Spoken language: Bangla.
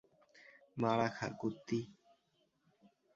মারা খা, কুত্তি?